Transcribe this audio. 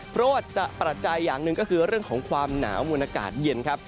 เพราะว่าปัจจัยอย่างหนึ่งก็คือเรื่องของความหนาวมวลอากาศเย็นครับ